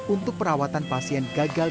untuk perawatan pasien gagal